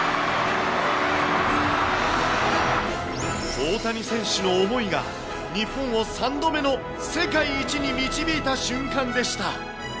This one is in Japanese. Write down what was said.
大谷選手の思いが日本を３度目の世界一に導いた瞬間でした。